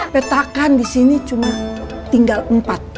petakan di sini cuma tinggal empat